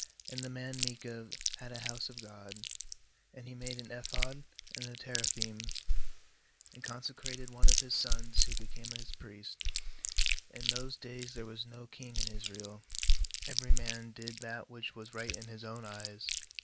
BAnd the man Micah had a house of God, and he made an ephod. and teraphim, and conse 316 JUDGES 18.12 crated one of his sons, who became his priest. 6In those days there was no king in Israel; every man did that which was right in his own eyes.